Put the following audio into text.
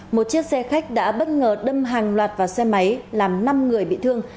một chiếc xe khách đã bất ngờ đâm hàng loạt vào xe máy làm năm người bị thương